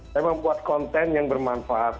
saya membuat konten yang bermanfaat